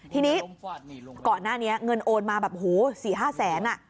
ทีนี้ก่อนหน้านี้เงินโอนมาแบบโหสี่ห้าแสนอ่ะ